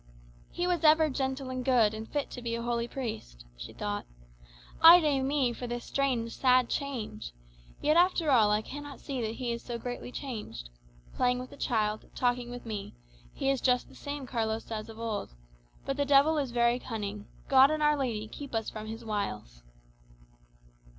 "He was ever gentle and good, and fit to be a holy priest," she thought. "Ay de mi, for the strange, sad change! Yet, after all, I cannot see that he is so greatly changed. Playing with the child, talking with me, he is just the same Carlos as of old. But the devil is very cunning. God and Our Lady keep us from his wiles!"